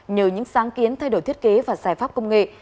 nhờ những sáng kiến thay đổi thiết kế và giải pháp công nghệ